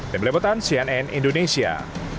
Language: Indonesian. demi lebutan cnn indonesia